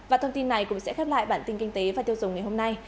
và thông tin này cũng sẽ khép lại bản tin kinh tế và tiêu dùng ngày hôm nay